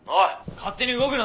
勝手に動くな。